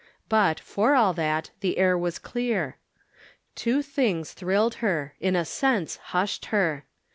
But, for all that, the air was clearer. Two things thrilled her — ^in a sense, hushed her.